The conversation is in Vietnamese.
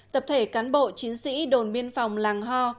tập thể cán bộ chính sĩ đồn biên phòng làng ho